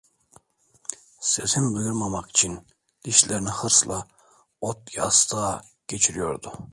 Sesini duyurmamak için dişlerini hırsla ot yastığa geçiriyordu.